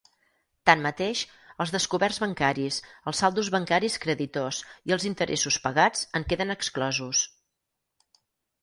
Tanmateix, els descoberts bancaris, els saldos bancaris creditors i els interessos pagats en queden exclosos.